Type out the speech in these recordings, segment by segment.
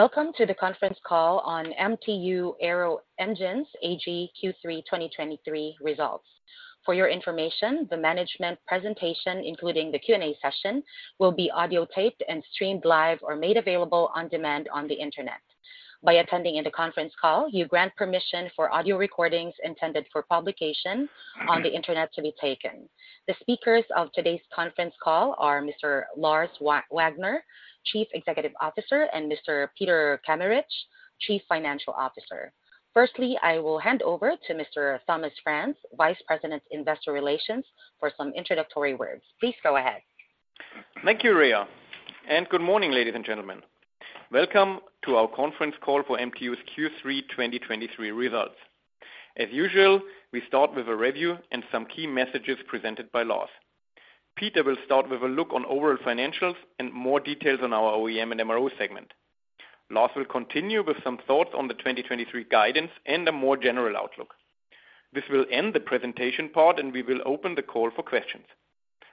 Welcome to the conference call on MTU Aero Engines AG Q3 2023 results. For your information, the management presentation, including the Q&A session, will be audiotaped and streamed live or made available on demand on the Internet. By attending in the conference call, you grant permission for audio recordings intended for publication on the Internet to be taken. The speakers of today's conference call are Mr. Lars Wagner, Chief Executive Officer, and Mr. Peter Kameritsch, Chief Financial Officer. Firstly, I will hand over to Mr. Thomas Franz, Vice President of Investor Relations, for some introductory words. Please go ahead. Thank you, Ria, and good morning, ladies and gentlemen. Welcome to our conference call for MTU's Q3 2023 results. As usual, we start with a review and some key messages presented by Lars. Peter will start with a look on overall financials and more details on our OEM and MRO segment. Lars will continue with some thoughts on the 2023 guidance and a more general outlook. This will end the presentation part, and we will open the call for questions.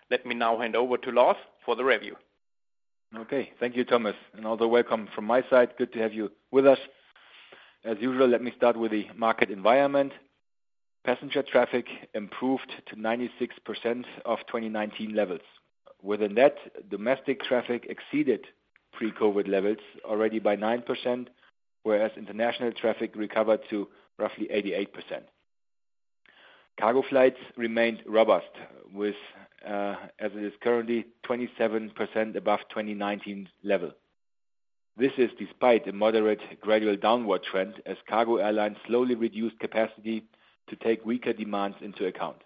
Let me now hand over to Lars for the review. Okay, thank you, Thomas, and also welcome from my side. Good to have you with us. As usual, let me start with the market environment. Passenger traffic improved to 96% of 2019 levels, with a net domestic traffic exceeded pre-COVID levels already by 9%, whereas international traffic recovered to roughly 88%. Cargo flights remained robust, with, as it is currently, 27% above 2019 level. This is despite a moderate, gradual downward trend as cargo airlines slowly reduce capacity to take weaker demands into account.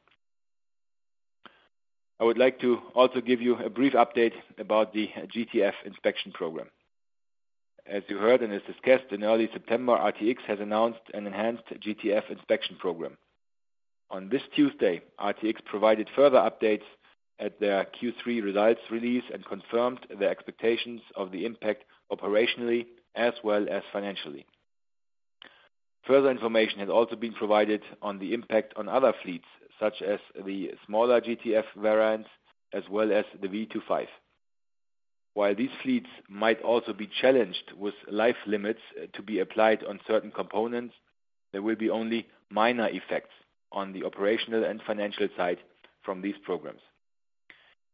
I would like to also give you a brief update about the GTF inspection program. As you heard and as discussed in early September, RTX has announced an enhanced GTF inspection program. On this Tuesday, RTX provided further updates at their Q3 results release and confirmed the expectations of the impact operationally as well as financially. Further information has also been provided on the impact on other fleets, such as the smaller GTF variants, as well as the V2500. While these fleets might also be challenged with life limits to be applied on certain components, there will be only minor effects on the operational and financial side from these programs.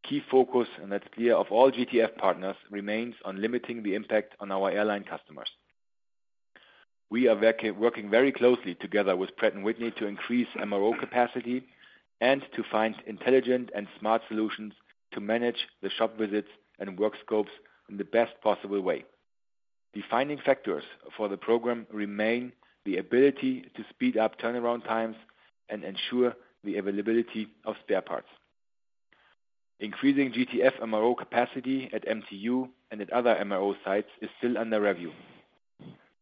Key focus, and that's clear, of all GTF partners, remains on limiting the impact on our airline customers. We are working very closely together with Pratt & Whitney to increase MRO capacity and to find intelligent and smart solutions to manage the shop visits and work scopes in the best possible way. Defining factors for the program remain the ability to speed up turnaround times and ensure the availability of spare parts. Increasing GTF MRO capacity at MTU and at other MRO sites is still under review.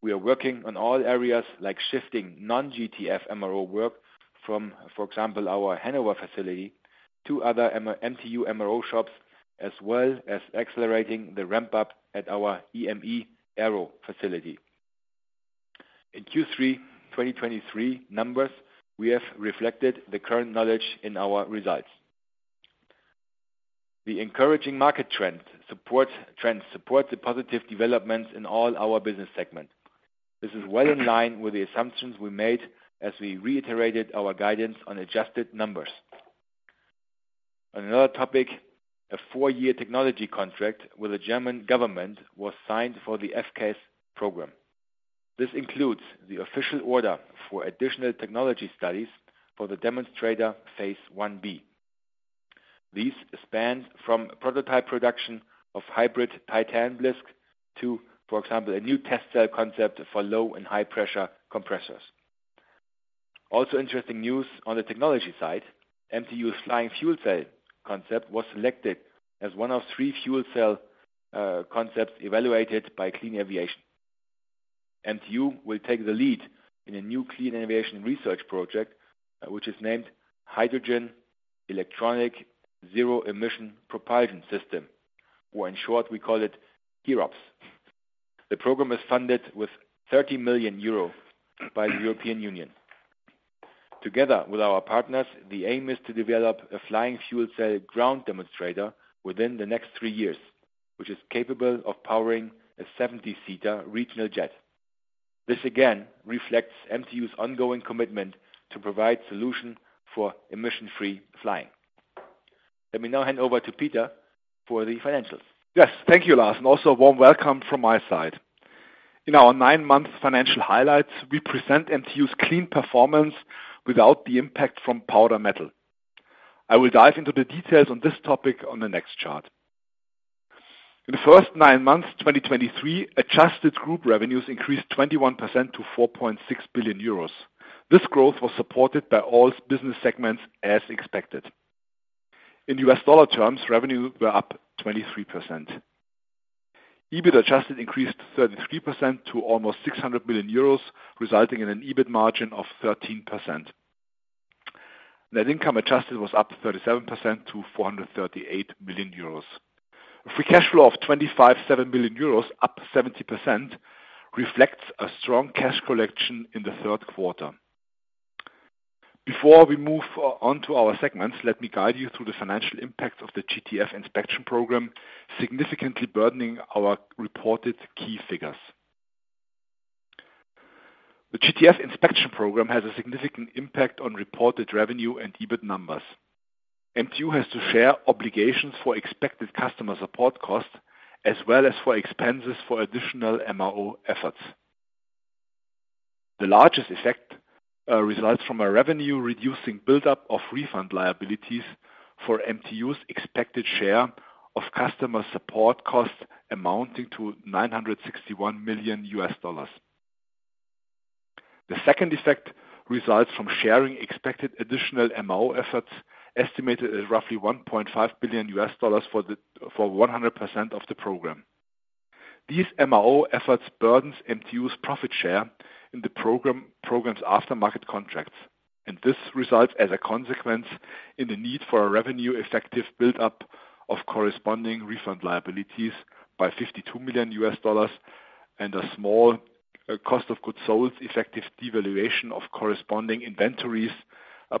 We are working on all areas like shifting non-GTF MRO work from, for example, our Hannover facility to other MTU MRO shops, as well as accelerating the ramp up at our EME Aero facility. In Q3 2023 numbers, we have reflected the current knowledge in our results. The encouraging market trends support the positive developments in all our business segments. This is well in line with the assumptions we made as we reiterated our guidance on adjusted numbers. Another topic, a four-year technology contract with the German Government, was signed for the FCAS program. This includes the official order for additional technology studies for the Demonstrator Phase 1B. These span from prototype production of hybrid titanium blisk to, for example, a new test cell concept for low and high pressure compressors. Also, interesting news on the technology side, MTU's Flying Fuel Cell concept was selected as one of three fuel cell concepts evaluated by Clean Aviation. MTU will take the lead in a new Clean Aviation research project, which is named Hydrogen-Electric Zero Emission Propulsion System, or in short, we call it HEROPS. The program is funded with 30 million euro by the European Union. Together with our partners, the aim is to develop a Flying Fuel Cell ground demonstrator within the next three years, which is capable of powering a 70-seater regional jet. This again reflects MTU's ongoing commitment to provide solution for emission-free flying. Let me now hand over to Peter for the financials. Yes, thank you, Lars, and also a warm welcome from my side. In our nine-month financial highlights, we present MTU's clean performance without the impact from powder metal. I will dive into the details on this topic on the next chart. In the first nine months, 2023, adjusted group revenues increased 21% to 4.6 billion euros. This growth was supported by all business segments, as expected. In U.S. dollar terms, revenues were up 23%. Adjusted EBIT increased 33% to almost 600 million euros, resulting in an EBIT margin of 13%. Adjusted net income was up 37% to 438 million euros. Free cash flow of 257 million euros, up 70%, reflects a strong cash collection in the third quarter. Before we move onto our segments, let me guide you through the financial impacts of the GTF inspection program, significantly burdening our reported key figures. The GTF inspection program has a significant impact on reported revenue and EBIT numbers. MTU has to share obligations for expected customer support costs, as well as for expenses for additional MRO efforts. The largest effect results from a revenue-reducing buildup of refund liabilities for MTU's expected share of customer support costs, amounting to $961 million. The second effect results from sharing expected additional MRO efforts, estimated at roughly $1.5 billion for 100% of the program. These MRO efforts burdens MTU's profit share in the program, program's aftermarket contracts, and this results as a consequence in the need for a revenue-effective buildup of corresponding refund liabilities by $52 million, and a small, cost of goods sold, effective devaluation of corresponding inventories,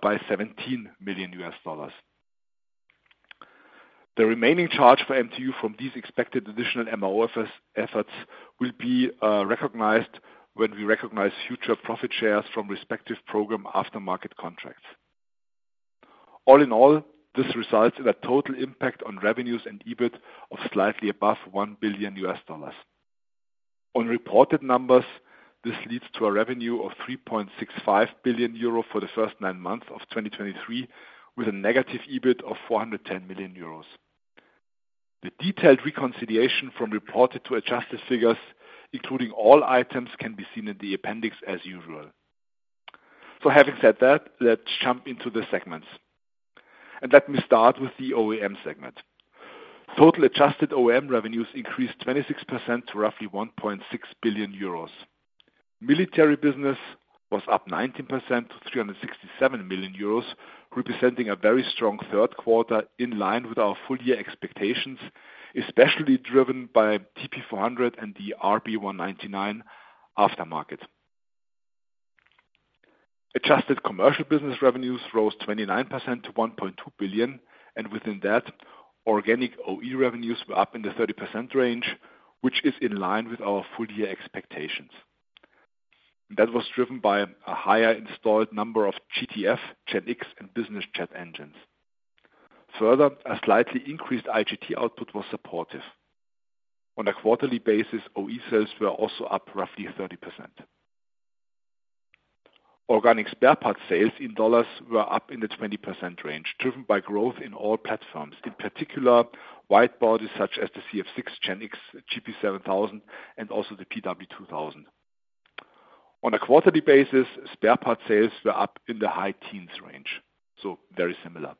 by $17 million. The remaining charge for MTU from these expected additional MRO efforts will be, recognized when we recognize future profit shares from respective program aftermarket contracts. All in all, this results in a total impact on revenues and EBIT of slightly above $1 billion. On reported numbers, this leads to a revenue of 3.65 billion euro for the first nine months of 2023, with a negative EBIT of 410 million euros. The detailed reconciliation from reported to adjusted figures, including all items, can be seen in the appendix as usual. So having said that, let's jump into the segments. And let me start with the OEM segment. Total adjusted OEM revenues increased 26% to roughly 1.6 billion euros. Military business was up 19% to 367 million euros, representing a very strong third quarter in line with our full year expectations, especially driven by TP400 and the RB199 aftermarket. Adjusted commercial business revenues rose 29% to 1.2 billion, and within that, organic OE revenues were up in the 30% range, which is in line with our full-year expectations. That was driven by a higher installed number of GTF, GEnx, and business jet engines. Further, a slightly increased IGT output was supportive. On a quarterly basis, OE sales were also up roughly 30%. Organic spare parts sales in dollars were up in the 20% range, driven by growth in all platforms, in particular, wide bodies such as the CF6, GEnx, GP7000, and also the PW2000. On a quarterly basis, spare parts sales were up in the high teens range, so very similar.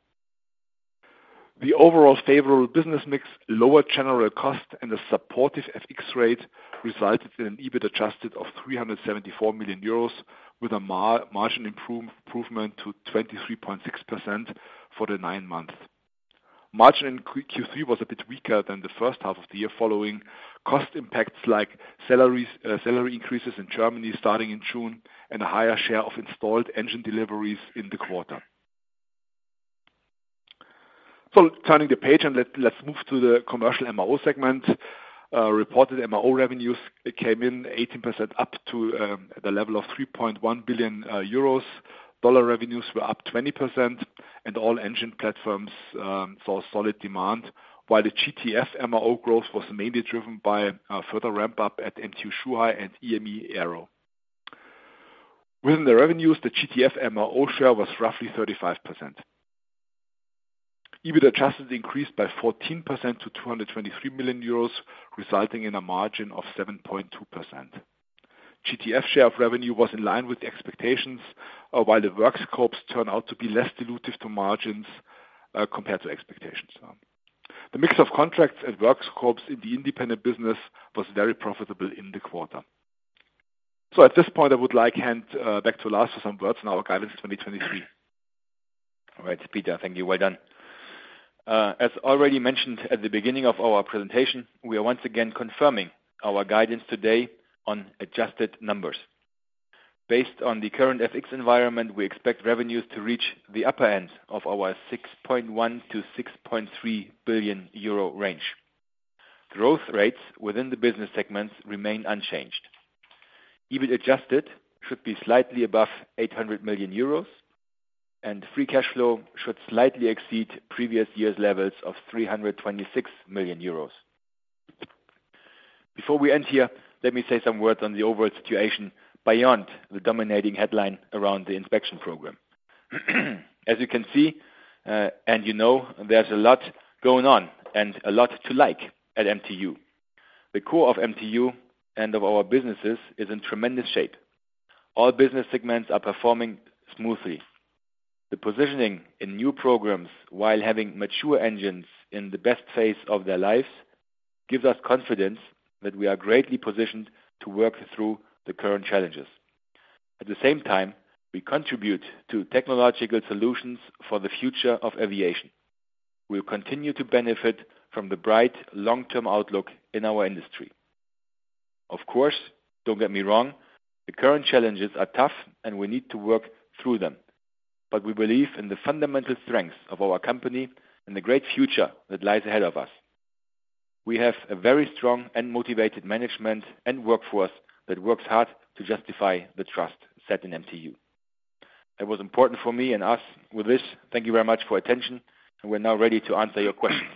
The overall favorable business mix, lower general cost, and a supportive FX rate resulted in an Adjusted EBIT of 374 million euros, with a margin improvement to 23.6% for the nine months. Margin in Q3 was a bit weaker than the first half of the year, following cost impacts like salary increases in Germany starting in June, and a higher share of installed engine deliveries in the quarter. Turning the page, and let's move to the commercial MRO segment. Reported MRO revenues came in 18% up to the level of 3.1 billion euros. Dollar revenues were up 20% and all engine platforms saw solid demand, while the GTF MRO growth was mainly driven by a further ramp-up at MTU Zhuhai and EME Aero. Within the revenues, the GTF MRO share was roughly 35%. EBIT adjusted increased by 14% to 223 million euros, resulting in a margin of 7.2%. GTF share of revenue was in line with the expectations, while the work scopes turned out to be less dilutive to margins, compared to expectations. The mix of contracts and work scopes in the independent business was very profitable in the quarter. So at this point, I would like to hand back to Lars for some words on our guidance in 2023. All right, Peter, thank you. Well done. As already mentioned at the beginning of our presentation, we are once again confirming our guidance today on adjusted numbers. Based on the current FX environment, we expect revenues to reach the upper end of our 6.1 billion-6.3 billion euro range. Growth rates within the business segments remain unchanged. EBIT adjusted should be slightly above 800 million euros, and free cash flow should slightly exceed previous year's levels of 326 million euros. Before we end here, let me say some words on the overall situation beyond the dominating headline around the inspection program. As you can see, and you know, there's a lot going on and a lot to like at MTU. The core of MTU and of our businesses is in tremendous shape. All business segments are performing smoothly. The positioning in new programs, while having mature engines in the best phase of their lives, gives us confidence that we are greatly positioned to work through the current challenges. At the same time, we contribute to technological solutions for the future of aviation. We'll continue to benefit from the bright long-term outlook in our industry.... Of course, don't get me wrong, the current challenges are tough, and we need to work through them. But we believe in the fundamental strengths of our company and the great future that lies ahead of us. We have a very strong and motivated management and workforce that works hard to justify the trust set in MTU. It was important for me and us. With this, thank you very much for your attention, and we're now ready to answer your questions.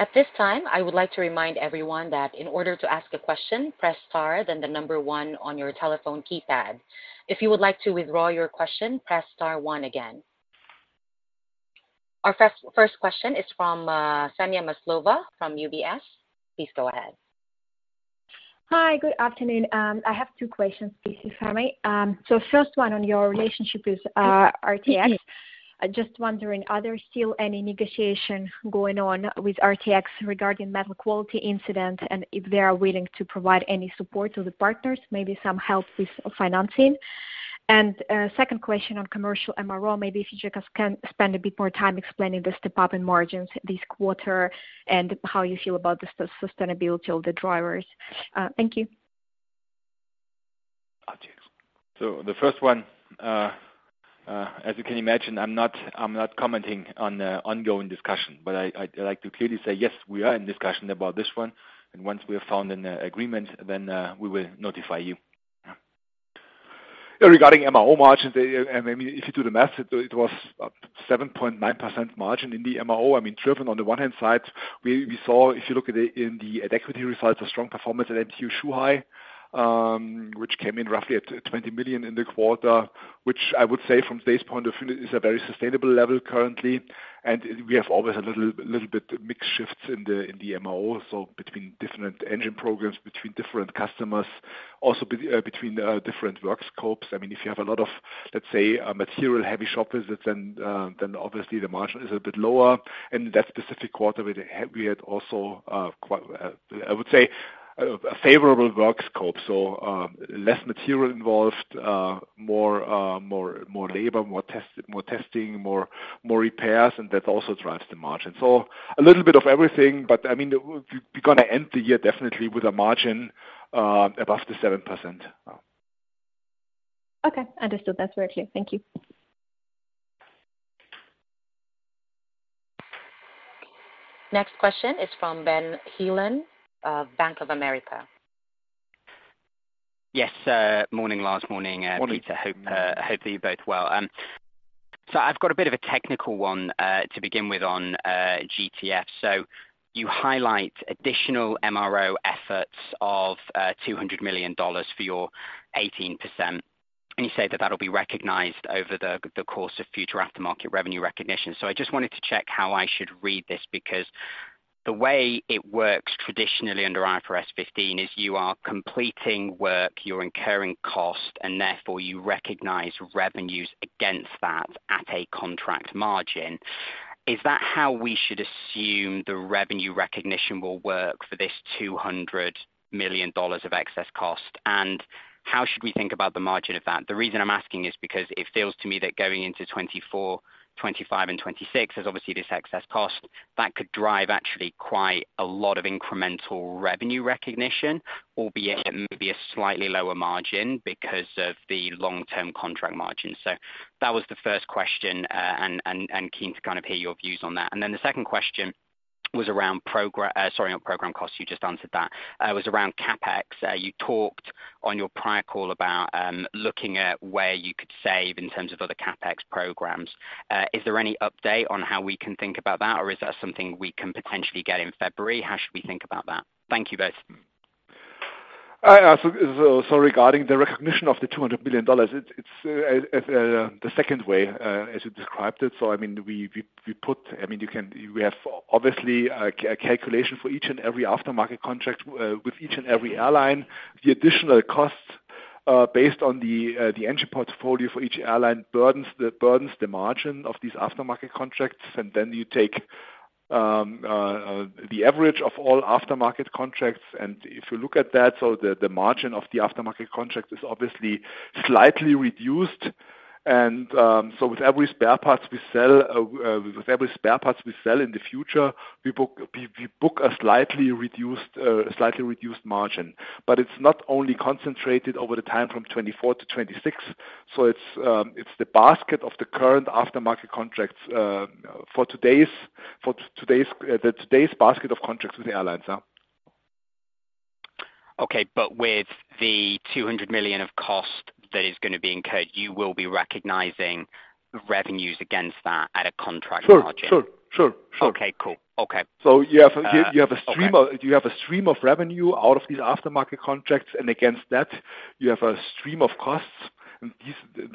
At this time, I would like to remind everyone that in order to ask a question, press Star, then the number one on your telephone keypad. If you would like to withdraw your question, press Star one again. Our first, first question is from Kseniia Maslova from UBS. Please go ahead. Hi, good afternoon. I have two questions please, if I may. So first one, on your relationship with RTX. Just wondering, are there still any negotiations going on with RTX regarding metal quality incident, and if they are willing to provide any support to the partners, maybe some help with financing? And second question on commercial MRO, maybe if you just can spend a bit more time explaining the step-up in margins this quarter and how you feel about the sustainability of the drivers. Thank you. So the first one, as you can imagine, I'm not, I'm not commenting on the ongoing discussion, but I, I'd like to clearly say, yes, we are in discussion about this one, and once we have found an agreement, then we will notify you. Yeah, regarding MRO margins, I mean, if you do the math, it, it was 7.9% margin in the MRO. I mean, driven on the one-hand side, we, we saw, if you look at it in the adjusted EBIT results, a strong performance at MTU Zhuhai, which came in roughly at 20 million in the quarter, which I would say from today's point of view, is a very sustainable level currently. We have always had a little bit mix shifts in the MRO, so between different engine programs, between different customers, also between different work scopes. I mean, if you have a lot of, let's say, a material-heavy shop visits, then obviously the margin is a bit lower. And that specific quarter with it, we had also quite, I would say, a favorable work scope, so less material involved, more labor, more test, more testing, more repairs, and that also drives the margin. So a little bit of everything, but I mean, we gonna end the year definitely with a margin above the 7%. Okay, understood. That's very clear. Thank you. Next question is from Ben Heelan of Bank of America. Yes, morning, Lars, morning. Morning. Peter, hope, hope you're both well. So I've got a bit of a technical one, to begin with on GTF. So you highlight additional MRO efforts of $200 million for your 18%, and you say that that'll be recognized over the course of future aftermarket revenue recognition. So I just wanted to check how I should read this, because the way it works traditionally under IFRS 15 is you are completing work, you're incurring cost, and therefore you recognize revenues against that at a contract margin. Is that how we should assume the revenue recognition will work for this $200 million of excess cost? And how should we think about the margin of that? The reason I'm asking is because it feels to me that going into 2024, 2025 and 2026, there's obviously this excess cost that could drive actually quite a lot of incremental revenue recognition, albeit it may be a slightly lower margin because of the long-term contract margin. So that was the first question, and keen to kind of hear your views on that. And then the second question was around—sorry, not program costs, you just answered that. It was around CapEx. You talked on your prior call about looking at where you could save in terms of other CapEx programs. Is there any update on how we can think about that, or is that something we can potentially get in February? How should we think about that? Thank you both. So, regarding the recognition of the $200 million, it's the second way, as you described it. So, I mean, we put—I mean, you can—we have obviously a calculation for each and every aftermarket contract with each and every airline. The additional costs based on the engine portfolio for each airline burdens the margin of these aftermarket contracts, and then you take the average of all aftermarket contracts. And if you look at that, so the margin of the aftermarket contract is obviously slightly reduced. And so with every spare parts we sell with every spare parts we sell in the future, we book we book a slightly reduced slightly reduced margin. But it's not only concentrated over the time from 2024-2026, so it's, it's the basket of the current aftermarket contracts, for today's, for today's, the today's basket of contracts with the airlines, yeah. Okay, but with the 200 million of cost that is gonna be incurred, you will be recognizing revenues against that at a contract margin? Sure, sure, sure. Okay, cool. Okay. So you have a stream of- Okay. You have a stream of revenue out of these aftermarket contracts, and against that, you have a stream of costs, and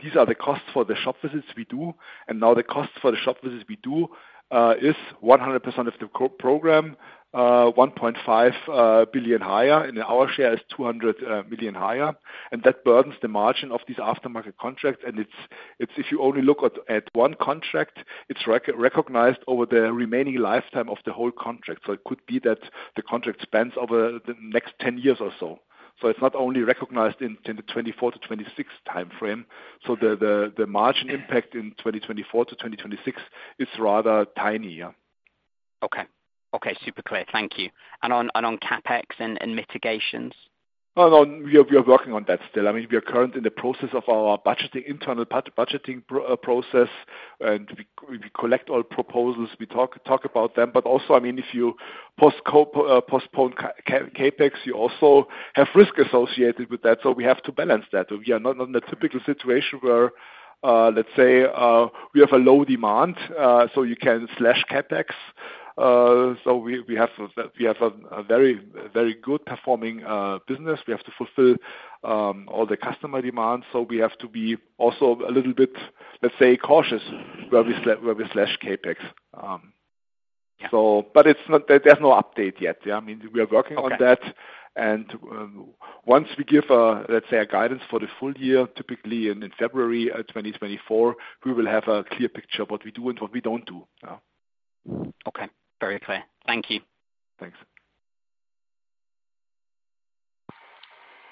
these are the costs for the shop visits we do. Now the cost for the shop visits we do is 100% of the program 1.5 billion higher, and our share is 200 million higher, and that burdens the margin of these aftermarket contracts. And it's if you only look at one contract, it's recognized over the remaining lifetime of the whole contract. So it could be that the contract spans over the next 10 years or so.... So it's not only recognized in the 2024-2026 timeframe, so the margin impact in 2024-2026 is rather tiny, yeah. Okay. Okay, super clear. Thank you. And on CapEx and mitigations? Oh, no, we are working on that still. I mean, we are currently in the process of our budgeting, internal budgeting process, and we collect all proposals, we talk about them. But also, I mean, if you postpone CapEx, you also have risk associated with that, so we have to balance that. We are not in a typical situation where, let's say, we have a low demand, so you can slash CapEx. So we have a very, very good performing business. We have to fulfill all the customer demands, so we have to be also a little bit, let's say, cautious, where we slash CapEx. So but it's not that there's no update yet. I mean, we are working on that. Okay. Once we give, let's say, a guidance for the full year, typically in February of 2024, we will have a clear picture of what we do and what we don't do. Okay. Very clear. Thank you. Thanks.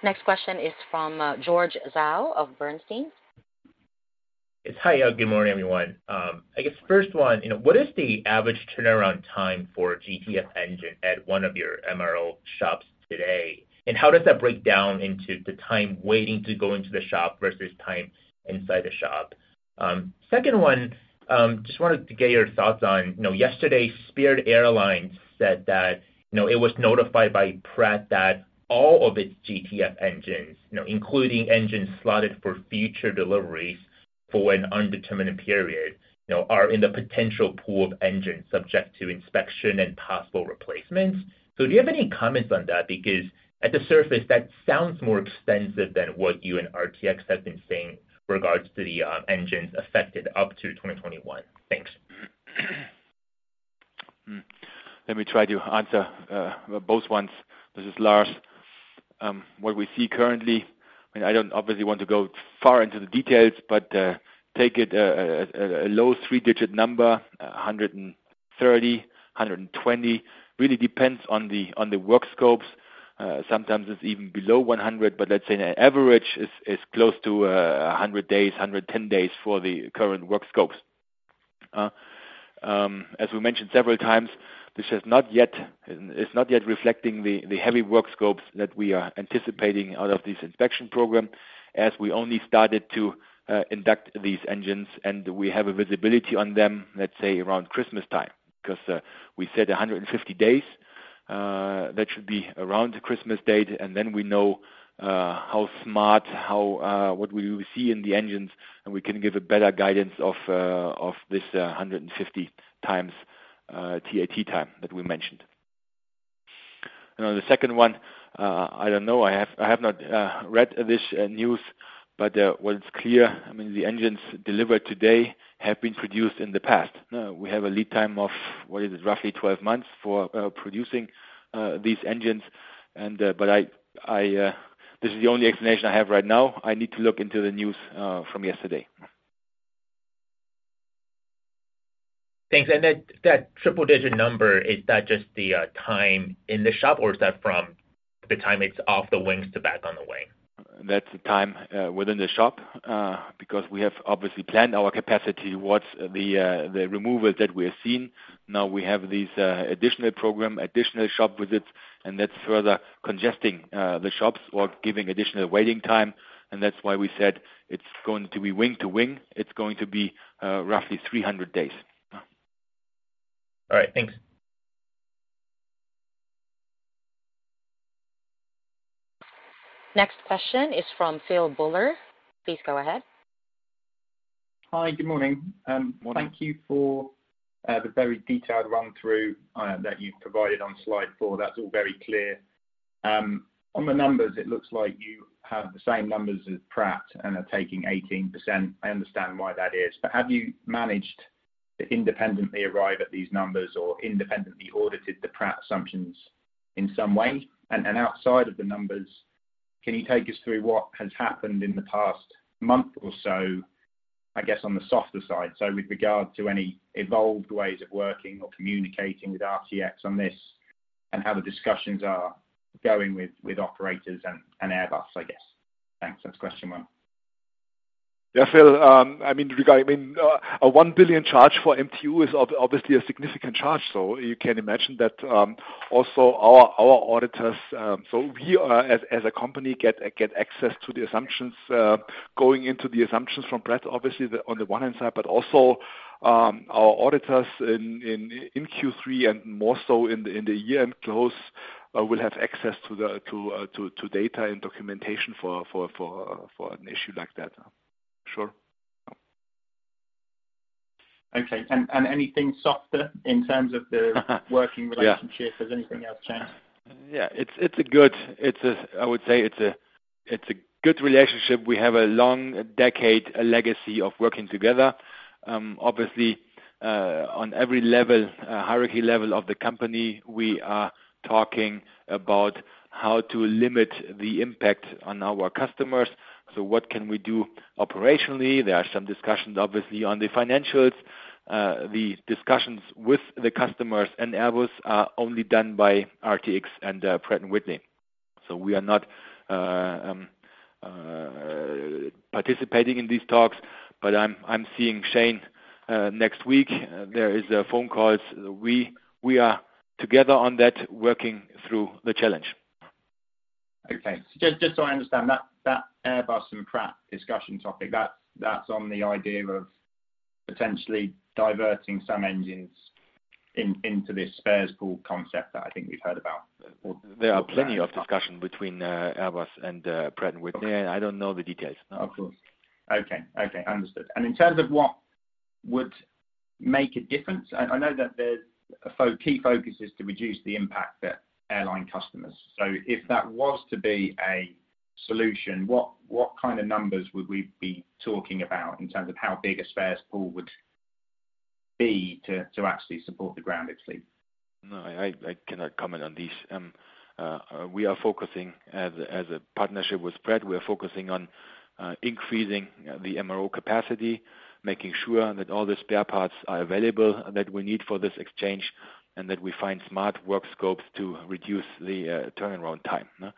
Next question is from George Zhao of Bernstein. Yes, hi. Good morning, everyone. I guess first one, you know, what is the average turnaround time for GTF engine at one of your MRO shops today? And how does that break down into the time waiting to go into the shop versus time inside the shop? Second one, just wanted to get your thoughts on, you know, yesterday, Spirit Airlines said that, you know, it was notified by Pratt that all of its GTF engines, you know, including engines slotted for future deliveries for an undetermined period, you know, are in the potential pool of engines subject to inspection and possible replacements. So do you have any comments on that? Because at the surface, that sounds more expensive than what you and RTX have been saying regards to the engines affected up to 2021. Thanks. Let me try to answer both ones. This is Lars. What we see currently, and I don't obviously want to go far into the details, but take it a low three-digit number, 130, 120. Really depends on the work scopes. Sometimes it's even below 100, but let's say the average is close to 100 days, 110 days for the current work scopes. As we mentioned several times, this is not yet—it's not yet reflecting the heavy work scopes that we are anticipating out of this inspection program, as we only started to induct these engines, and we have a visibility on them, let's say, around Christmas time. Because we said 150 days, that should be around the Christmas date, and then we know how smart, how what we will see in the engines, and we can give a better guidance of this 150 times TAT time that we mentioned. Now, the second one, I don't know. I have not read this news, but what's clear, I mean, the engines delivered today have been produced in the past. We have a lead time of, what is it? Roughly 12 months for producing these engines. And but I this is the only explanation I have right now. I need to look into the news from yesterday. Thanks. And that, that triple-digit number, is that just the time in the shop, or is that from the time it's off the wings to back on the wing? That's the time within the shop, because we have obviously planned our capacity towards the removals that we have seen. Now, we have these additional program, additional shop visits, and that's further congesting the shops or giving additional waiting time, and that's why we said it's going to be wing-to-wing. It's going to be roughly 300 days. All right, thanks. Next question is from Phil Buller. Please go ahead. Hi, good morning. Morning. Thank you for, the very detailed run-through, that you provided on slide four. That's all very clear. On the numbers, it looks like you have the same numbers as Pratt and are taking 18%. I understand why that is, but have you managed to independently arrive at these numbers or independently audited the Pratt assumptions in some way? And, and outside of the numbers, can you take us through what has happened in the past month or so, I guess, on the softer side, so with regard to any evolved ways of working or communicating with RTX on this, and how the discussions are going with, with operators and, and Airbus, I guess? Thanks. That's question one. Yeah, Phil, I mean, regarding, I mean, a 1 billion charge for MTU is obviously a significant charge, so you can imagine that, also our auditors—so we are, as a company, get access to the assumptions, going into the assumptions from Pratt, obviously, on the one hand side, but also, our auditors in Q3 and more so in the year-end close, will have access to the data and documentation for an issue like that. Sure. Okay. And anything softer in terms of the- Yeah... working relationship, has anything else changed? Yeah, it's a good relationship. I would say it's a good relationship. We have a long decade, a legacy of working together. Obviously, on every level, hierarchy level of the company, we are talking about how to limit the impact on our customers. So what can we do operationally? There are some discussions, obviously, on the financials. The discussions with the customers and Airbus are only done by RTX and Pratt & Whitney. So we are not participating in these talks, but I'm seeing Shane next week. There is phone calls. We are together on that, working through the challenge. Okay. Just so I understand, that Airbus and Pratt discussion topic, that's on the idea of potentially diverting some engines into this spares pool concept that I think we've heard about? There are plenty of discussion between Airbus and Pratt & Whitney. I don't know the details. Of course. Okay. Okay, understood. In terms of what would make a difference, I know that the key focus is to reduce the impact at airline customers. So if that was to be a solution, what kind of numbers would we be talking about in terms of how big a spares pool would be to actually support the ground fleet? No, I, I cannot comment on this. We are focusing as, as a partnership with Pratt, we are focusing on increasing the MRO capacity, making sure that all the spare parts are available, that we need for this exchange, and that we find smart work scopes to reduce the turnaround time, huh?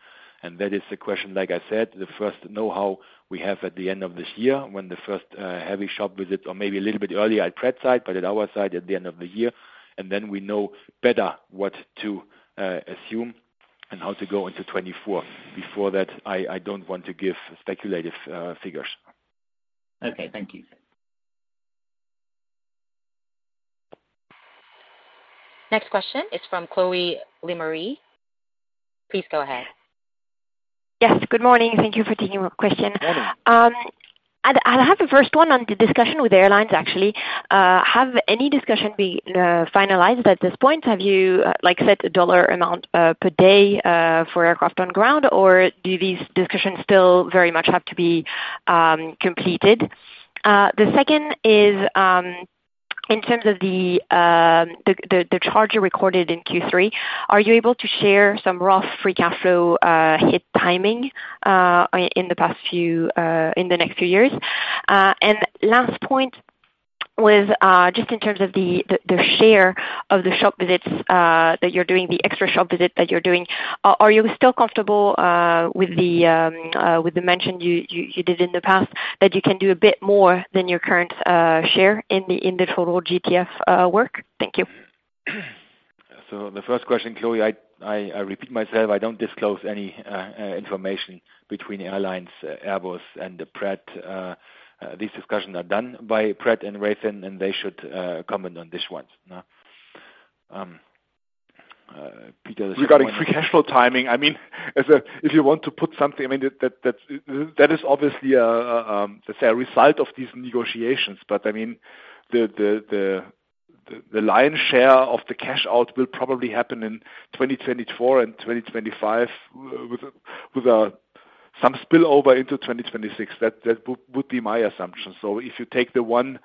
And that is the question, like I said, the first know-how we have at the end of this year, when the first heavy shop visit, or maybe a little bit earlier at Pratt side, but at our side, at the end of the year. And then we know better what to assume and how to go into 2024. Before that, I, I don't want to give speculative figures. Okay, thank you. Next question is from Chloé Lemarié. Please go ahead. Yes, good morning. Thank you for taking my question. Good morning. I'd have the first one on the discussion with airlines, actually. Have any discussion been finalized at this point? Have you, like, set a dollar amount per day for aircraft on ground, or do these discussions still very much have to be completed? The second is, in terms of the charge you recorded in Q3, are you able to share some raw free cash flow hit timing in the past few, in the next few years? Last point was, just in terms of the share of the shop visits that you're doing, the extra shop visits that you're doing, are you still comfortable with the mention you did in the past, that you can do a bit more than your current share in the total GTF work? Thank you. So the first question, Chloé, I repeat myself, I don't disclose any information between the airlines, Airbus and Pratt. These discussions are done by Pratt and Raytheon, and they should comment on this one. Peter— Regarding free cash flow timing, I mean, if you want to put something, I mean, that is obviously the result of these negotiations. But I mean, the lion's share of the cash out will probably happen in 2024 and 2025, with some spillover into 2026. That would be my assumption. So if you take the 1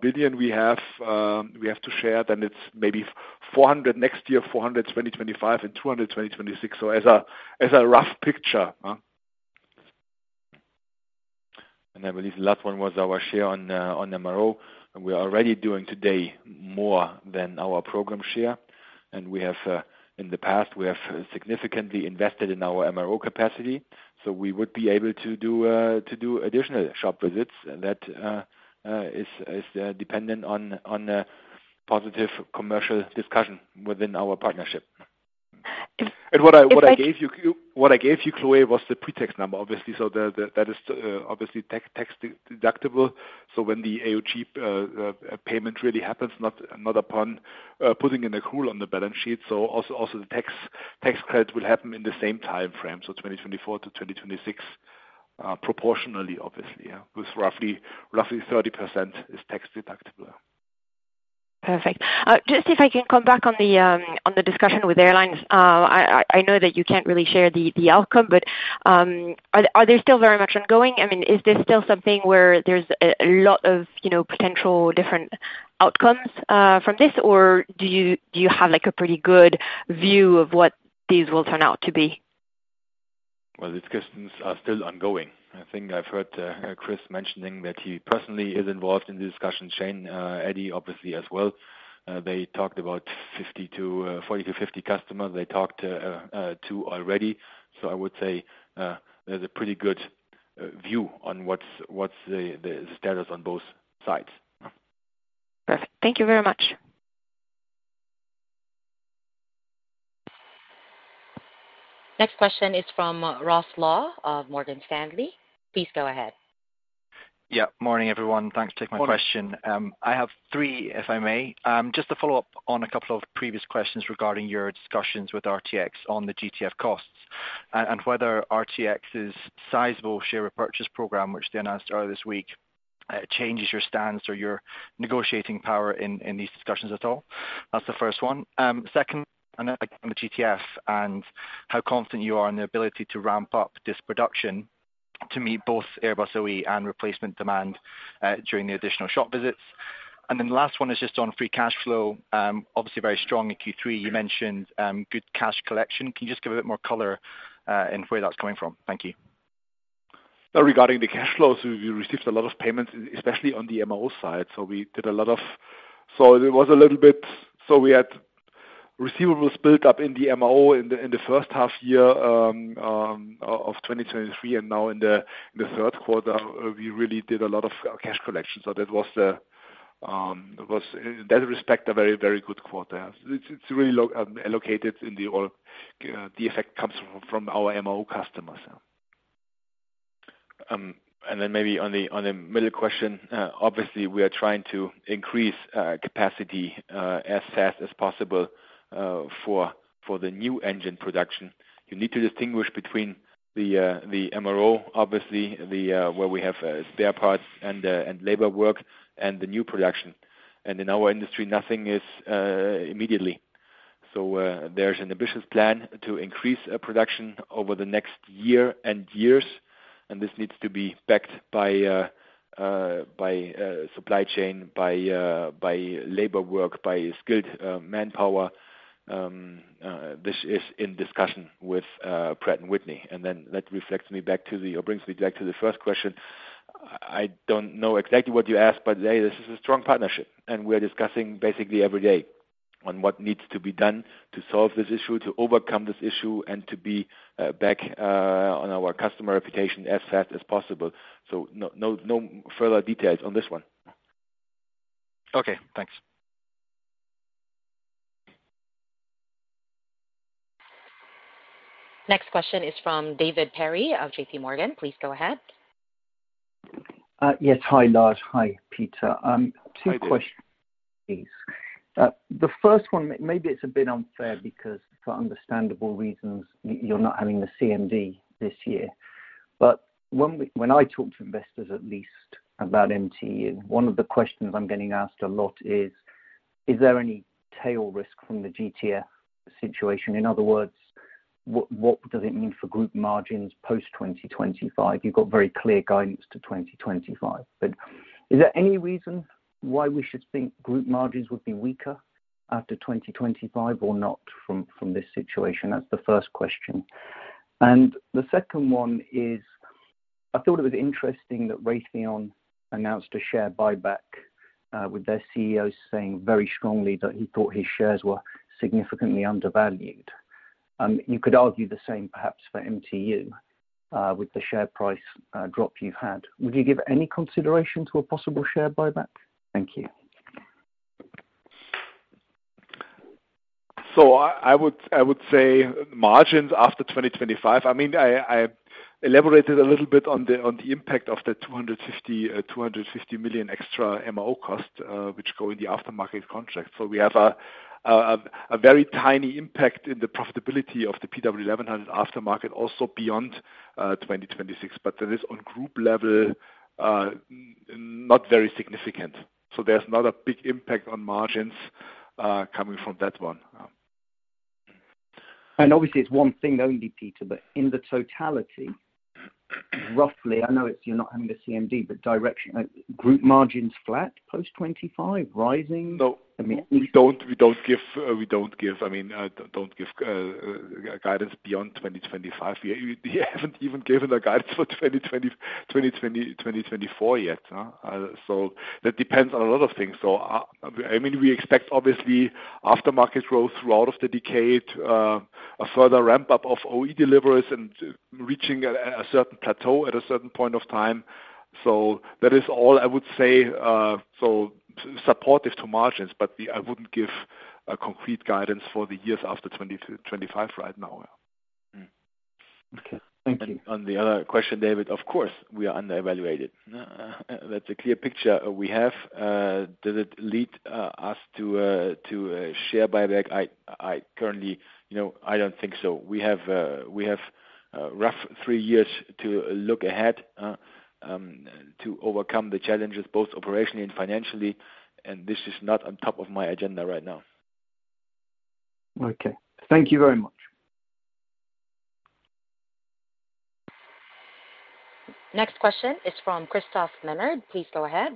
billion we have, we have to share, then it's maybe 400 million next year, 400 million 2025 and 200 million 2026. So as a rough picture, huh? I believe the last one was our share on MRO, and we are already doing today more than our program share. We have, in the past, significantly invested in our MRO capacity, so we would be able to do additional shop visits. That is dependent on a positive commercial discussion within our partnership. If I- And what I gave you, Chloé, was the pre-tax number, obviously. So the, the, that is obviously tax deductible. So when the AOG payment really happens, not upon putting in accrual on the balance sheet, so also the tax credit will happen in the same time frame, so 2024 to 2026, proportionally, obviously, yeah, with roughly 30% is tax deductible. Perfect. Just if I can come back on the discussion with airlines. I know that you can't really share the outcome, but are they still very much ongoing? I mean, is this still something where there's a lot of, you know, potential different outcomes from this? Or do you have, like, a pretty good view of what these will turn out to be? Well, the discussions are still ongoing. I think I've heard Chris mentioning that he personally is involved in the discussion. Shane Eddy, obviously, as well. They talked about 40-50 customers they talked to already. So I would say, there's a pretty good view on what's the status on both sides. Perfect. Thank you very much. Next question is from Ross Law of Morgan Stanley. Please go ahead. Yeah. Morning, everyone. Thanks to take my question. Morning. I have three, if I may. Just to follow up on a couple of previous questions regarding your discussions with RTX on the GTF costs, and, and whether RTX's sizable share repurchase program, which they announced earlier this week, changes your stance or your negotiating power in, in these discussions at all. That's the first one. Second, on the GTF and how confident you are in the ability to ramp up this production to meet both Airbus OE and replacement demand during the additional shop visits? ...And then the last one is just on free cash flow. Obviously very strong in Q3, you mentioned, good cash collection. Can you just give a bit more color, and where that's coming from? Thank you. Regarding the cash flows, we received a lot of payments, especially on the MRO side. We did a lot of-- It was a little bit-- We had receivables built up in the MRO in the first half year of 2023, and now in the third quarter, we really did a lot of cash collection. That was, in that respect, a very, very good quarter. It's really allocated in the all, the effect comes from our MRO customers. Maybe on the middle question, obviously, we are trying to increase capacity as fast as possible for the new engine production. You need to distinguish between the MRO, obviously, where we have spare parts and labor work, and the new production. And in our industry, nothing is immediately. So there's an ambitious plan to increase production over the next year and years, and this needs to be backed by supply chain, by labor work, by skilled manpower. This is in discussion with Pratt & Whitney. And then that reflects me back to the, or brings me back to the first question. I don't know exactly what you asked, but this is a strong partnership, and we're discussing basically every day on what needs to be done to solve this issue, to overcome this issue, and to be back on our customer reputation as fast as possible. No, no, no further details on this one. Okay, thanks. Next question is from David Perry of JPMorgan. Please go ahead. Yes, hi, Lars. Hi, Peter. Hi, David. Two questions, please. The first one, maybe it's a bit unfair because for understandable reasons, you're not having the CMD this year. But when we, when I talk to investors, at least about MTU, one of the questions I'm getting asked a lot is: Is there any tail risk from the GTF situation? In other words, what, what does it mean for group margins post-2025? You've got very clear guidance to 2025, but is there any reason why we should think group margins would be weaker after 2025 or not, from, from this situation? That's the first question. And the second one is, I thought it was interesting that Raytheon announced a share buyback, with their CEO saying very strongly that he thought his shares were significantly undervalued. You could argue the same, perhaps, for MTU, with the share price drop you've had. Would you give any consideration to a possible share buyback? Thank you. So I would say margins after 2025. I mean, I elaborated a little bit on the impact of the 250 million extra MRO cost, which go in the aftermarket contract. So we have a very tiny impact in the profitability of the PW1100 aftermarket, also beyond 2026. But that is on group level, not very significant. So there's not a big impact on margins coming from that one. Obviously, it's one thing only, Peter, but in the totality, roughly, I know it's, you're not having a CMD, but direction, group margins flat, post 25? Rising? No. I mean- We don't give, I mean, guidance beyond 2025. We haven't even given guidance for 2020, 2020, 2024 yet. So that depends on a lot of things. So, I mean, we expect obviously aftermarket growth throughout of the decade, a further ramp up of OE deliveries and reaching a certain plateau at a certain point of time. So that is all I would say, so supportive to margins, but I wouldn't give a complete guidance for the years after 2025 right now. Mm. Okay. Thank you. On the other question, David, of course, we are undervalued. That's a clear picture we have. Does it lead us to a share buyback? I currently, you know, I don't think so. We have roughly three years to look ahead to overcome the challenges, both operationally and financially, and this is not on top of my agenda right now. Okay. Thank you very much. Next question is from Christophe Ménard. Please go ahead.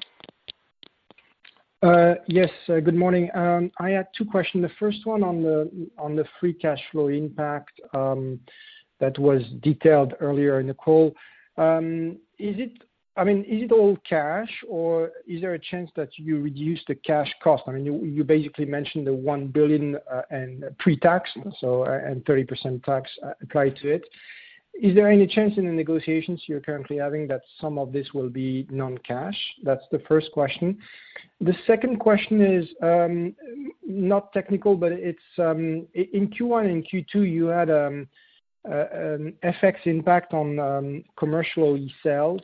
Yes, good morning. I had two questions. The first one on the free cash flow impact that was detailed earlier in the call. Is it all cash, or is there a chance that you reduce the cash cost? I mean, you basically mentioned the 1 billion and pre-tax, so and 30% tax applied to it. Is there any chance in the negotiations you're currently having, that some of this will be non-cash? That's the first question. The second question is not technical, but it's in Q1 and Q2, you had FX impact on commercial sales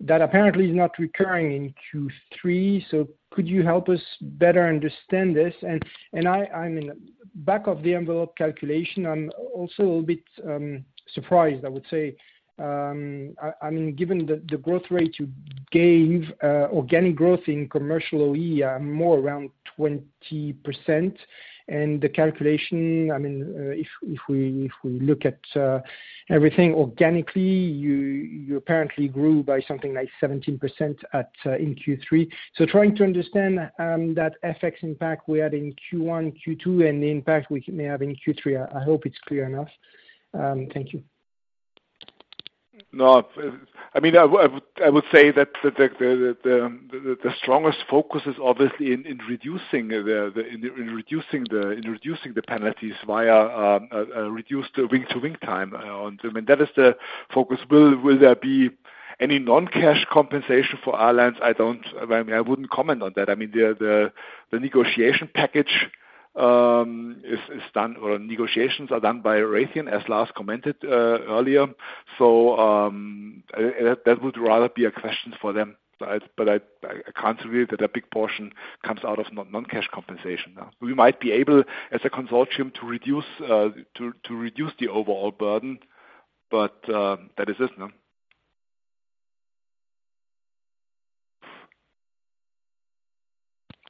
that apparently is not recurring in Q3. So could you help us better understand this? I'm doing a back-of-the-envelope calculation. I'm also a little bit surprised, I would say. I mean, given the growth rate you gave, organic growth in commercial OE is more around 20%. And the calculation, I mean, if we look at everything organically, you apparently grew by something like 17% in Q3. So trying to understand that FX impact we had in Q1, Q2, and the impact we may have in Q3. I hope it's clear enough. Thank you. ... No, I mean, I would say that the strongest focus is obviously in reducing the penalties via a reduced wing-to-wing time. I mean, that is the focus. Will there be any non-cash compensation for airlines? I don't, I mean, I wouldn't comment on that. I mean, the negotiation package is done or negotiations are done by Raytheon, as Lars commented earlier. So, that would rather be a question for them. But I, I can't agree that a big portion comes out of non-cash compensation now. We might be able, as a consortium, to reduce the overall burden, but that is it now.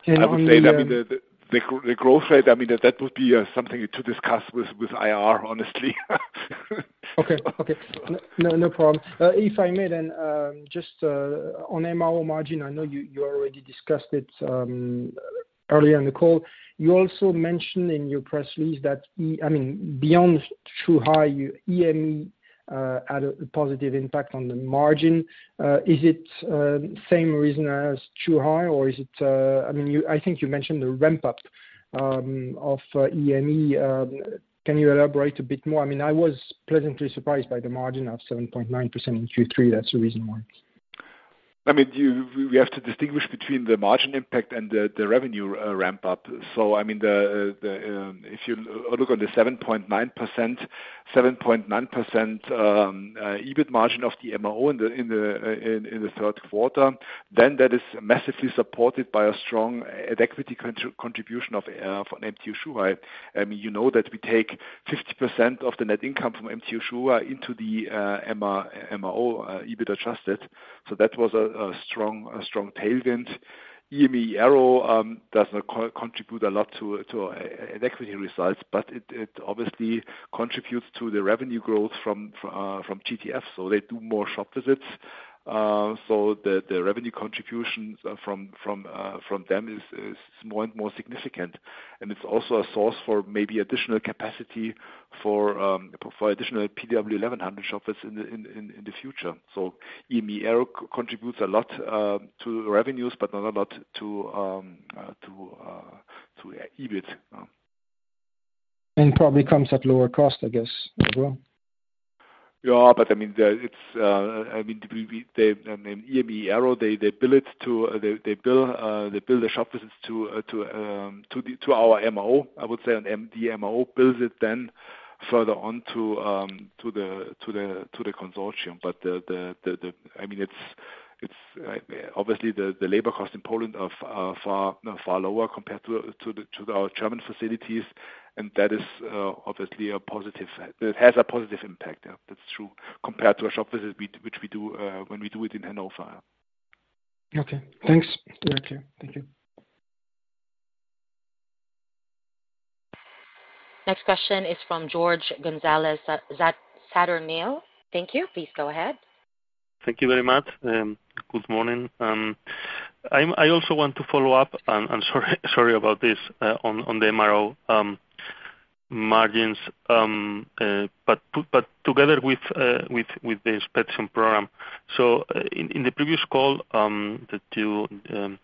Can I- I would say that, I mean, the growth rate, I mean, that would be something to discuss with IR, honestly. Okay. Okay. No, no problem. If I may, then, just on MRO margin, I know you already discussed it earlier in the call. You also mentioned in your press release that, I mean, beyond Zhuhai, your EME had a positive impact on the margin. Is it same reason as Zhuhai, or is it... I mean, you, I think you mentioned the ramp up of EME. Can you elaborate a bit more? I mean, I was pleasantly surprised by the margin of 7.9% in Q3. That's the reason why. I mean, you, we have to distinguish between the margin impact and the revenue ramp up. So, I mean, the, if you look on the 7.9%, 7.9% EBIT margin of the MRO in the third quarter, then that is massively supported by a strong equity contribution from MTU Zhuhai. I mean, you know, that we take 50% of the net income from MTU Zhuhai into the MRO EBIT adjusted. So that was a strong tailwind. EME Aero does not contribute a lot to equity results, but it obviously contributes to the revenue growth from GTF, so they do more shop visits. So the revenue contributions from them is more and more significant. And it's also a source for maybe additional capacity for additional PW1100 shop visits in the future. So EME Aero contributes a lot to revenues, but not a lot to EBIT. Probably comes at lower cost, I guess, as well? Yeah, but I mean, it's, I mean, EME Aero, they build the shop visits to our MRO. I would say an MTU MRO builds it then further on to the consortium. But I mean, it's obviously the labor cost in Poland are far, far lower compared to our German facilities, and that is obviously a positive. It has a positive impact, yeah, that's true, compared to a shop visit which we do when we do it in Hannover. Okay, thanks. Thank you. Thank you. Next question is from Jorge González Sadornil. Thank you. Please go ahead. Thank you very much. Good morning. I also want to follow up, and I'm sorry, sorry about this, on the MRO margins. But together with the inspection program. So, in the previous call, that you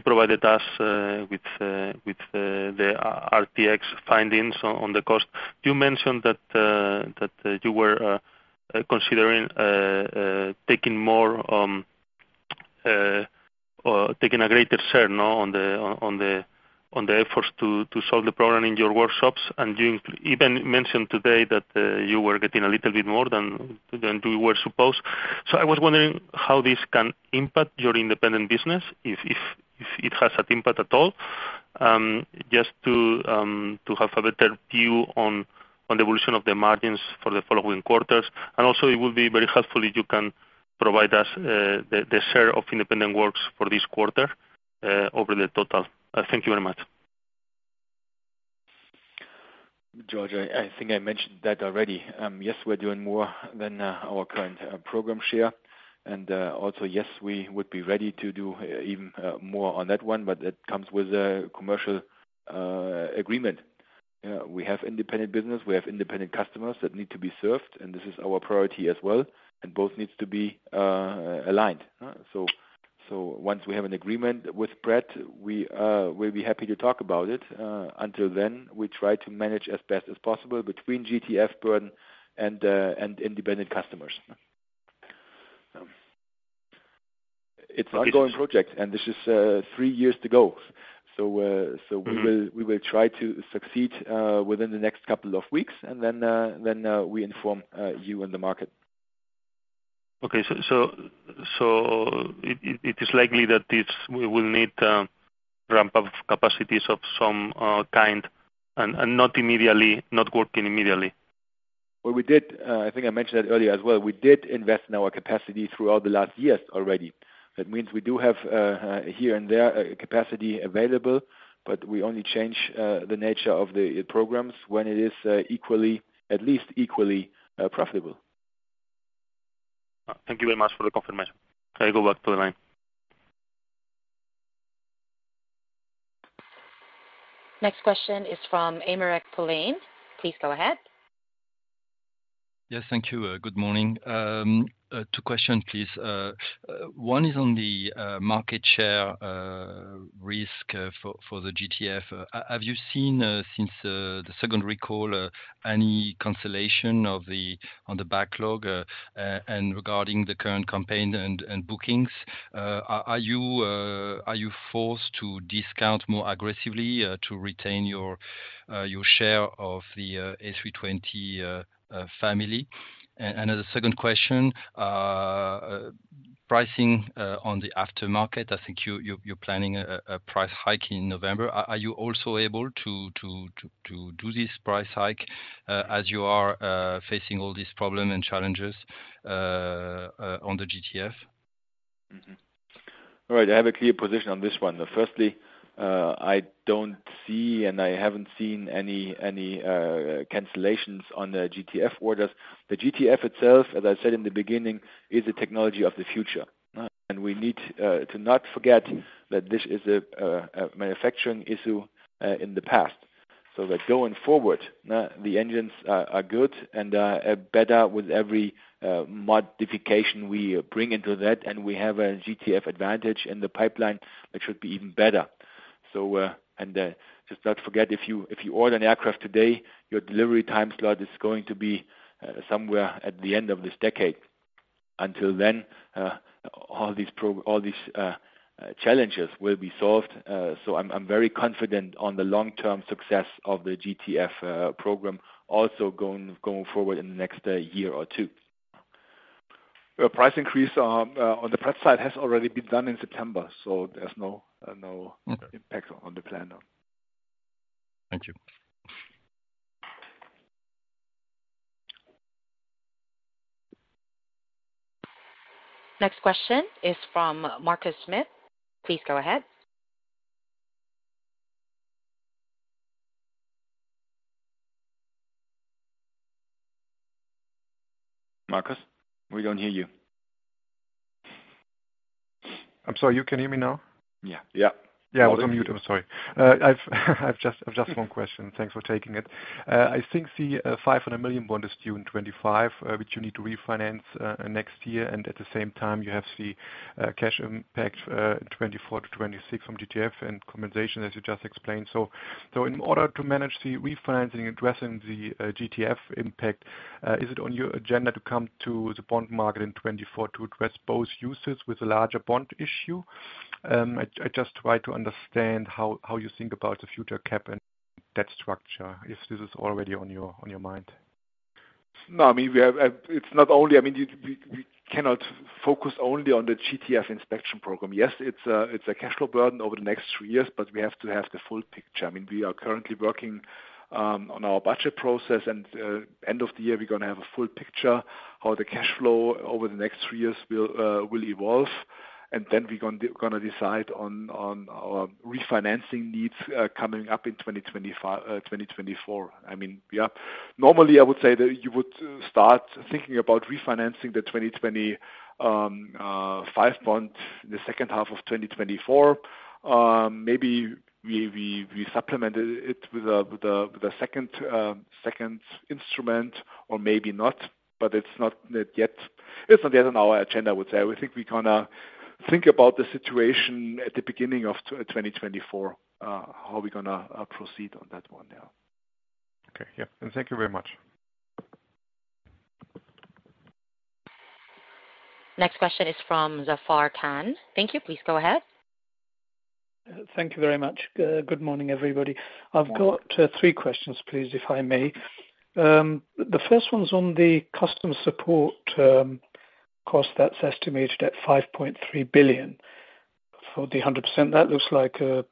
provided us with the RTX findings on the cost, you mentioned that you were considering taking more or taking a greater share now, on the efforts to solve the problem in your workshops. And you even mentioned today that you were getting a little bit more than you were supposed. So I was wondering how this can impact your independent business, if it has an impact at all? Just to have a better view on the evolution of the margins for the following quarters. And also, it would be very helpful if you can provide us the share of independent works for this quarter over the total. Thank you very much. Jorge, I think I mentioned that already. Yes, we're doing more than our current program share. Also, yes, we would be ready to do even more on that one, but that comes with a commercial agreement. We have independent business, we have independent customers that need to be served, and this is our priority as well, and both needs to be aligned, huh? So once we have an agreement with Pratt, we'll be happy to talk about it. Until then, we try to manage as best as possible between GTF burden and independent customers. It's an ongoing project, and this is three years to go. So, Mm-hmm. We will try to succeed within the next couple of weeks, and then we inform you and the market. Okay, so it is likely that this, we will need ramp up capacities of some kind and not immediately, not working immediately? Well, we did. I think I mentioned that earlier as well. We did invest in our capacity throughout the last years already. That means we do have, here and there, a capacity available, but we only change the nature of the programs when it is equally, at least equally, profitable. Thank you very much for the confirmation. Go back to the line.... Next question is from Aymeric Poulain, please go ahead. Yes, thank you. Good morning. Two questions, please. One is on the market share risk for the GTF. Have you seen, since the second recall, any cancellation on the backlog, and regarding the current campaign and bookings? Are you forced to discount more aggressively to retain your share of the A320 family? And as a second question, pricing on the aftermarket, I think you're planning a price hike in November. Are you also able to do this price hike as you are facing all these problems and challenges on the GTF? Mm-hmm. All right, I have a clear position on this one. Firstly, I don't see, and I haven't seen any cancellations on the GTF orders. The GTF itself, as I said in the beginning, is the technology of the future, and we need to not forget that this is a manufacturing issue in the past. So that going forward, the engines are good and are better with every modification we bring into that, and we have a GTF Advantage in the pipeline which should be even better. So, and just not forget, if you order an aircraft today, your delivery time slot is going to be somewhere at the end of this decade. Until then, all these challenges will be solved. So I'm very confident on the long-term success of the GTF program also going forward in the next year or two. The price increase on the price side has already been done in September, so there's no no- Okay. impact on the plan now. Thank you. Next question is from Markus Mittermaier. Please go ahead. Markus, we don't hear you. I'm sorry. You can hear me now? Yeah. Yeah. Yeah, I was on mute. I'm sorry. I've just one question. Thanks for taking it. I think the 500 million bond is due in 2025, which you need to refinance next year, and at the same time, you have the cash impact 2024-2026 from GTF and compensation, as you just explained. So in order to manage the refinancing, addressing the GTF impact, is it on your agenda to come to the bond market in 2024 to address both uses with a larger bond issue? I just try to understand how you think about the future capital and debt structure, if this is already on your mind. No, I mean, we have, it's not only- I mean, we, we cannot focus only on the GTF inspection program. Yes, it's a, it's a cash flow burden over the next three years, but we have to have the full picture. I mean, we are currently working on our budget process, and end of the year, we're gonna have a full picture how the cash flow over the next three years will evolve, and then we're gonna decide on our refinancing needs coming up in 2025, 2024. I mean, yeah, normally, I would say that you would start thinking about refinancing the twenty-twenty-five bond in the second half of 2024. Maybe we, we, we supplemented it with the, the, with the second, second instrument, or maybe not, but it's not yet. It's at the end of our agenda, I would say. I think we're gonna think about the situation at the beginning of 2024, how we're gonna proceed on that one now. Okay. Yeah, and thank you very much. Next question is from Zafar Khan. Thank you. Please go ahead. Thank you very much. Good morning, everybody. I've got three questions, please, if I may. The first one's on the customer support cost that's estimated at 5.3 billion. For the 100%, that looks like a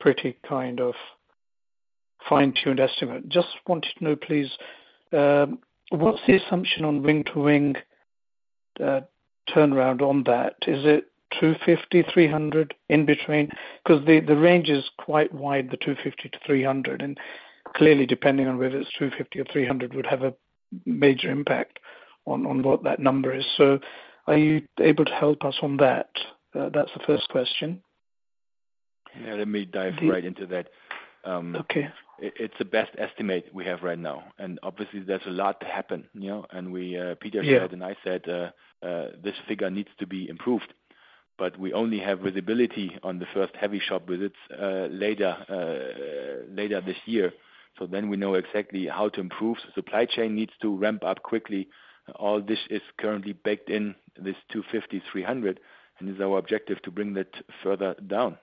pretty kind of fine-tuned estimate. Just wanted to know, please, what's the assumption on wing-to-wing turnaround on that? Is it 250, 300, in between? 'Cause the range is quite wide, the 250-300, and clearly, depending on whether it's 250 or 300, would have a major impact on what that number is. So are you able to help us on that? That's the first question. Yeah, let me dive right into that. Um, okay. It's the best estimate we have right now, and obviously, there's a lot to happen, you know, and we, Peter- Yeah... said and I said, this figure needs to be improved, but we only have visibility on the first heavy shop visits later this year. So then we know exactly how to improve. Supply chain needs to ramp up quickly. All this is currently baked in this 250-300, and is our objective to bring that further down,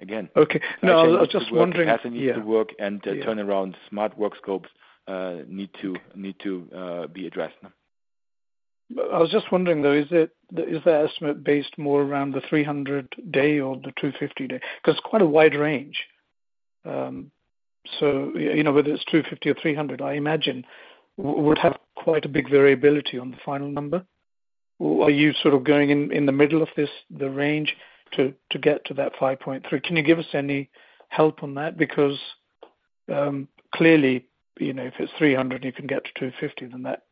again. Okay. No, I was just wondering- It has to work. Yeah. The turnaround, smart work scopes need to be addressed now. I was just wondering, though, is it, is the estimate based more around the 300-day or the 250-day? 'Cause it's quite a wide range. So, you know, whether it's 250 or 300, I imagine we'd have quite a big variability on the final number. Are you sort of going in the middle of this range to get to that 5.3? Can you give us any help on that, because-... Clearly, you know, if it's 300, you can get to 250, then that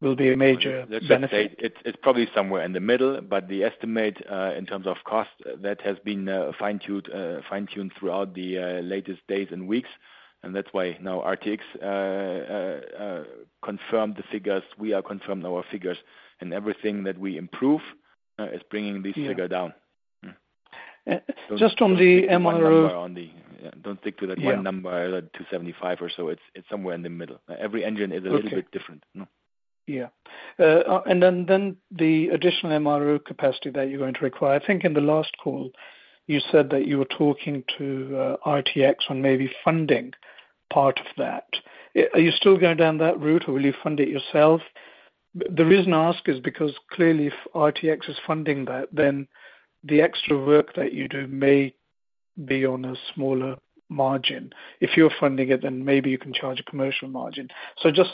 will be a major benefit. It's probably somewhere in the middle, but the estimate in terms of cost that has been fine-tuned throughout the latest days and weeks, and that's why now RTX confirmed the figures. We are confirmed our figures, and everything that we improve is bringing this figure down. Yeah. Just from the MRO- Don't stick to that one number, 275 or so. It's, it's somewhere in the middle. Every engine is a little bit different. Yeah. And then the additional MRO capacity that you're going to require. I think in the last call, you said that you were talking to RTX on maybe funding part of that. Are you still going down that route, or will you fund it yourself? The reason I ask is because, clearly, if RTX is funding that, then the extra work that you do may be on a smaller margin. If you're funding it, then maybe you can charge a commercial margin. So just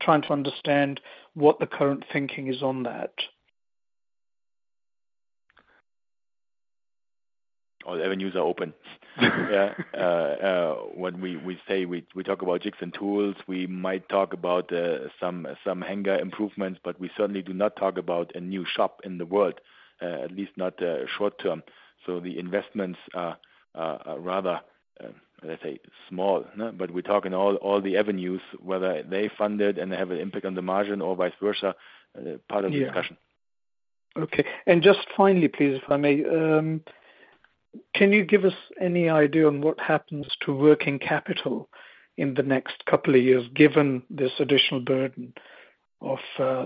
trying to understand what the current thinking is on that. All avenues are open. Yeah. When we say we talk about jigs and tools, we might talk about some hangar improvements, but we certainly do not talk about a new shop in the world, at least not short term. So the investments are rather, let's say, small, but we're talking all the avenues, whether they fund it and they have an impact on the margin or vice versa, part of the discussion. Yeah. Okay. And just finally, please, if I may, can you give us any idea on what happens to working capital in the next couple of years, given this additional burden of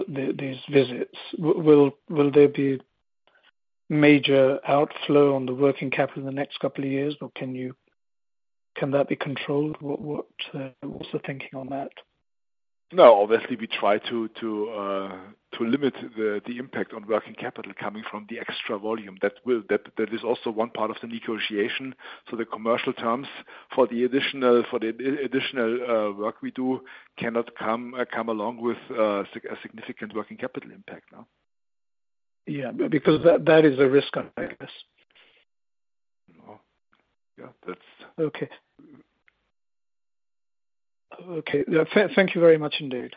these visits? Will there be major outflow on the working capital in the next couple of years, or can that be controlled? What's the thinking on that? No, obviously, we try to limit the impact on working capital coming from the extra volume. That is also one part of the negotiation. So the commercial terms for the additional work we do cannot come along with a significant working capital impact, no. Yeah, because that, that is a risk, I guess. Yeah, that's- Okay. Okay, yeah, thank you very much indeed.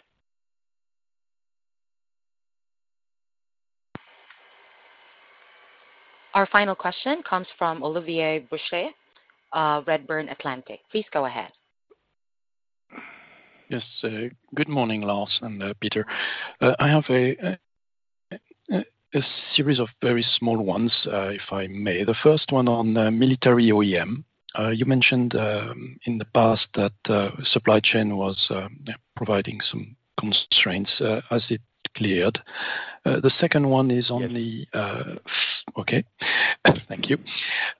Our final question comes from Olivier Brochet, Redburn Atlantic. Please go ahead. Yes, good morning, Lars and Peter. I have a series of very small ones, if I may. The first one on the military OEM. You mentioned in the past that supply chain was providing some constraints, as it cleared. The second one is on the- Yeah. Okay, thank you.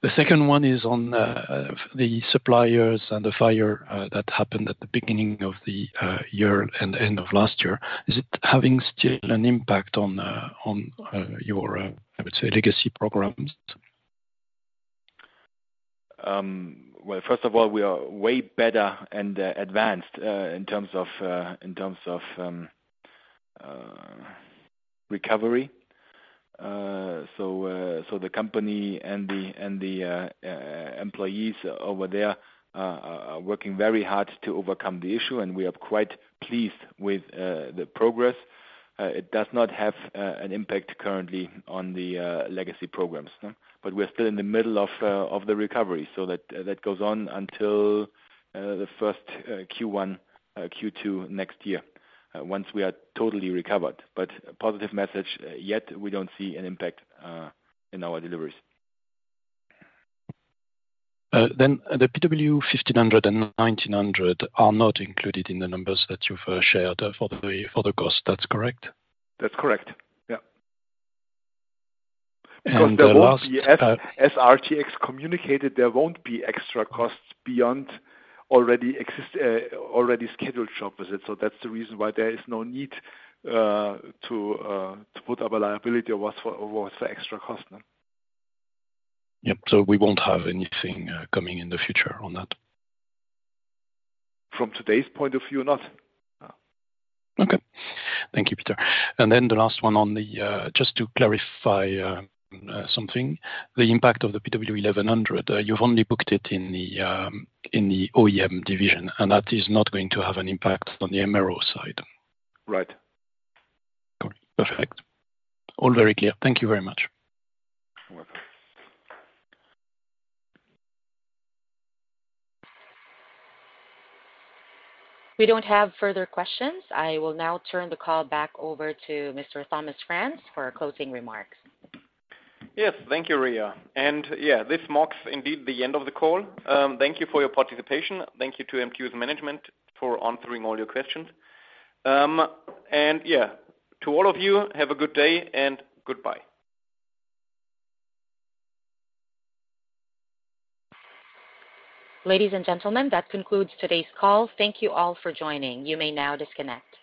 The second one is on the suppliers and the fire that happened at the beginning of the year and end of last year. Is it having still an impact on your, I would say, legacy programs? Well, first of all, we are way better and advanced in terms of recovery. So the company and the employees over there are working very hard to overcome the issue, and we are quite pleased with the progress. It does not have an impact currently on the legacy programs, but we're still in the middle of the recovery. So that goes on until the first Q1, Q2 next year, once we are totally recovered. But positive message, yet we don't see an impact in our deliveries. Then the PW1500 and 1900 are not included in the numbers that you've shared for the cost. That's correct? That's correct. Yeah. And the last- As RTX communicated, there won't be extra costs beyond already exist already scheduled shop visits. So that's the reason why there is no need to put up a liability or what, what's the extra cost? Yep. So we won't have anything coming in the future on that? From today's point of view, not. Okay. Thank you, Peter. And then the last one on the, just to clarify, something. The impact of the PW1100, you've only booked it in the OEM division, and that is not going to have an impact on the MRO side? Right. Perfect. All very clear. Thank you very much. You're welcome. We don't have further questions. I will now turn the call back over to Mr. Thomas Franz for closing remarks. Yes, thank you, Ria. And yeah, this marks indeed the end of the call. Thank you for your participation. Thank you to MTU's management for answering all your questions. And yeah, to all of you, have a good day and goodbye. Ladies and gentlemen, that concludes today's call. Thank you all for joining. You may now disconnect.